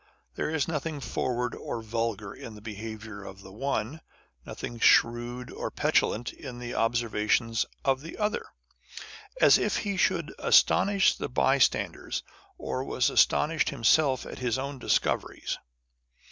There is nothing forward or vulgar in the behaviour of the one ; nothing shrewd or petulant in the observations of the other, as if he should astonish the bystanders, or was astonished himself at his own discoveries.